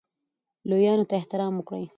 لویانو ته احترام وکړئ